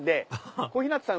ああ小日向さん